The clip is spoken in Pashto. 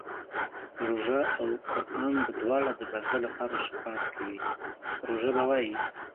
روژه او قران به دواړه د بنده لپاره شفاعت کوي، روژه به وايي